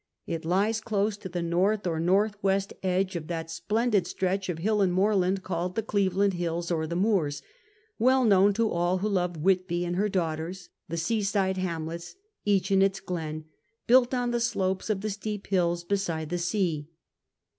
It lies close to the north or north west edge of that splen did stretch of hill and moorland called the Cleveland Hills or the Moors, well known to all who love Whitby and her daughters, the seaside hamlets, each in its glen, built on the slopes of the steep hills beside the sea.